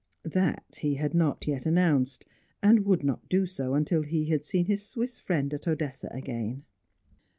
That, he had not yet announced, and would not do so until he had seen his Swiss friend at Odessa again.